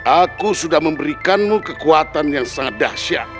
aku sudah memberikanmu kekuatan yang sangat dahsyat